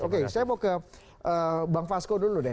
oke saya mau ke bang fasko dulu deh